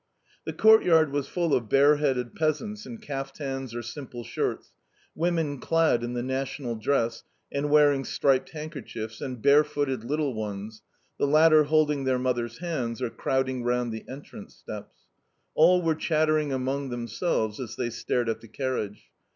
The courtyard was full of bareheaded peasants in kaftans or simple shirts, women clad in the national dress and wearing striped handkerchiefs, and barefooted little ones the latter holding their mothers' hands or crowding round the entrance steps. All were chattering among themselves as they stared at the carriage.